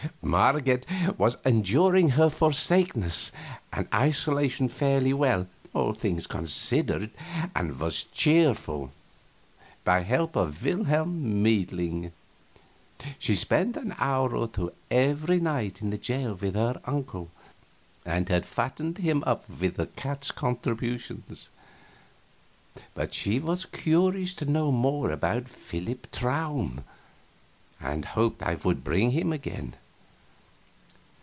Marget was enduring her forsakenness and isolation fairly well, all things considered, and was cheerful, by help of Wilhelm Meidling. She spent an hour or two every night in the jail with her uncle, and had fattened him up with the cat's contributions. But she was curious to know more about Philip Traum, and hoped I would bring him again.